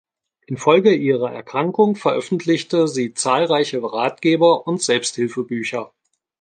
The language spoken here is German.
Infolge ihrer Erkrankung veröffentlichte sie zahlreiche Ratgeber und Selbsthilfe-Bücher.